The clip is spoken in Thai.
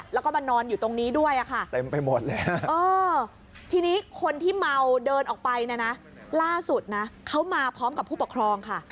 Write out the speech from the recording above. แล้วก็มานอนอยู่ตรงนี้ด้วยค่ะเต็มไปหมดเลยทีนี้คนที่เมาเดินออกไปเนี่ยนะล่าสุดนะเขามาพร้อมกับผู้ปกครองค่ะ